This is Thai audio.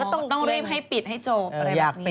ต้องรีบให้ปิดให้จบอะไรแบบนี้